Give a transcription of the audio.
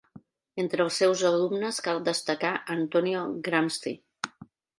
Entre els seus alumnes cal destacar Antonio Gramsci.